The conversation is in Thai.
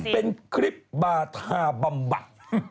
เป็นคลิปบาธาบำบัด